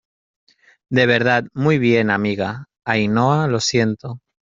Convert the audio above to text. de verdad, muy bien , amiga. Ainhoa , lo siento .